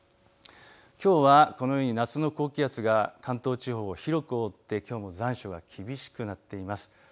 きょうはこのように夏の高気圧が関東地方を広く覆って残暑が厳しくなっています。